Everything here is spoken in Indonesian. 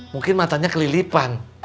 mungkin matanya kelilipan